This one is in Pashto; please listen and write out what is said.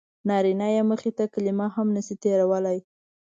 نارینه یې مخې ته کلمه هم نه شي تېرولی.